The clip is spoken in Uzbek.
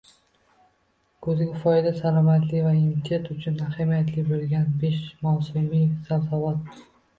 Kuzgi foyda: Salomatlik va immunitet uchun ahamiyatli bo‘lganbeshmavsumiy sabzavot